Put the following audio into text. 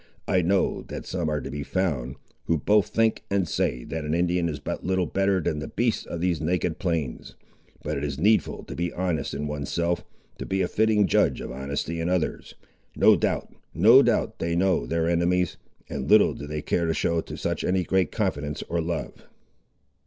I know that some are to be found, who both think and say that an Indian is but little better than the beasts of these naked plains. But it is needful to be honest in one's self, to be a fitting judge of honesty in others. No doubt, no doubt they know their enemies, and little do they care to show to such any great confidence, or love."